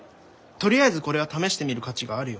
とりあえずこれは試してみる価値があるよ。